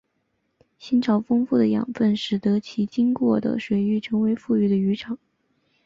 亲潮丰富的养分使得其经过的水域成为富裕的渔场。